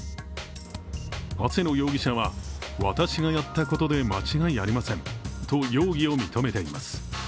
長谷野容疑者は私がやったことで間違いありませんと容疑を認めています。